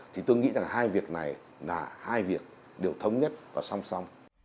thì tôi nghĩ là hai việc này là hai việc đều thống nhất và song song